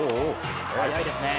速いですね。